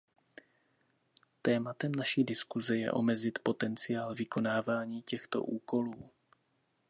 Tématem naší diskuse je omezit potenciál vykonávání těchto útoků.